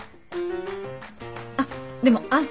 あっでも安心して。